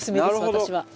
なるほど。